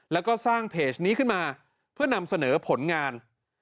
แล้วก็สร้างเพจนี้ขึ้นมาเพื่อนำเสนอผลงาน